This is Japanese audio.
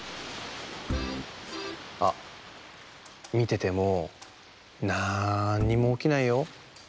あっみててもなんにもおきないよ。